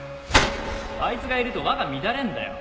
あいつがいると和が乱れんだよ